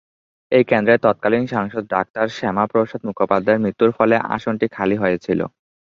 এই কেন্দ্রের তৎকালীন সাংসদ ডাক্তার শ্যামাপ্রসাদ মুখোপাধ্যায়ের মৃত্যুর ফলে আসনটি খালি হয়েছিল।